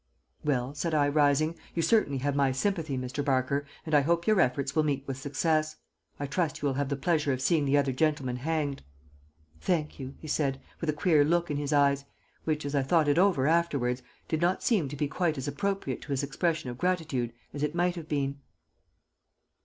"Well," said I, rising, "you certainly have my sympathy, Mr. Barker, and I hope your efforts will meet with success. I trust you will have the pleasure of seeing the other gentleman hanged." "Thank you," he said, with a queer look in his eyes, which, as I thought it over afterwards, did not seem to be quite as appropriate to his expression of gratitude as it might have been.